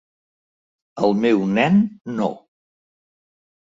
El meu nen no.